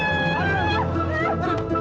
aduh aduh aduh